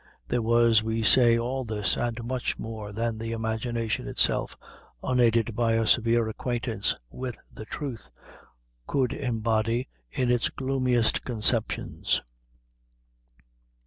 There was, we say, all this, and much more than the imagination itself, unaided by a severe acquaintance with the truth, could embody in its gloomiest conceptions.